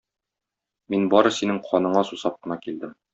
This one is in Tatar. Мин бары синең каныңа сусап кына килдем.